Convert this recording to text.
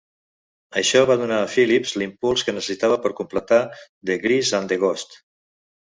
Això va donar a Phillips l'impuls que necessitava per completar The Geese and the Ghost".